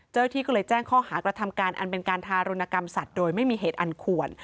เจ้าหน้าที่ก็เลยแจ้งข้อหากระทำการอันเป็นการทารุณกรรมสัตว์โดยไม่มีเหตุอันควร